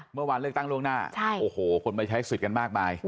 เมื่อวานเลือกตั้งล่วงหน้าโอ้โหคนมาใช้สิทธิ์กันมากมาย